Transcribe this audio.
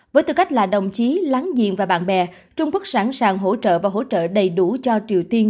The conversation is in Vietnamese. với tư cách là đồng chí láng giềng và bạn bè trung quốc sẵn sàng hỗ trợ và hỗ trợ đầy đủ cho triều tiên